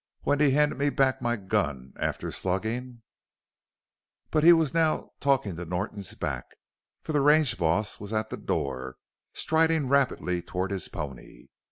"When he handed me back my gun after sluggin' " But he was now talking to Norton's back, for the range boss was at the door, striding rapidly toward his pony.